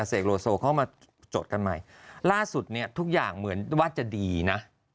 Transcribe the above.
เสกโลโซเข้ามาจดกันใหม่ล่าสุดเนี่ยทุกอย่างเหมือนว่าจะดีนะ